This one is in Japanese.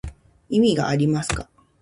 意味がありますか